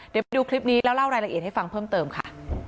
เดี๋ยวไปดูคลิปนี้แล้วเล่ารายละเอียดให้ฟังเพิ่มเติมค่ะ